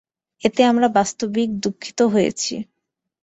এতে আমরা বাস্তবিক দুঃখিত হয়েছি।